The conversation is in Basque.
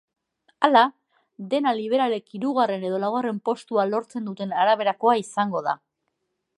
Hala, dena liberalek hirugarren edo laugarren postua lortzen duten araberakoa izango da.